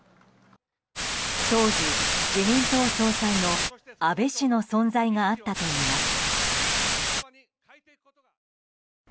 当時、自民党総裁の安倍氏の存在があったといいます。